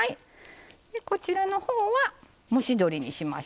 こちらのほうは蒸し鶏にしましょう。